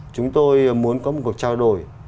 chúng tôi muốn có một cuộc trao đổi